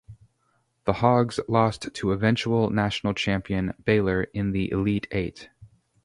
The Hogs lost to eventual national champion Baylor in the Elite Eight.